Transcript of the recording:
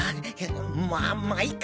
まあまっいっか。